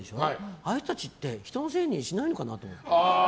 ああいう人たちって人のせいにしないのかなって。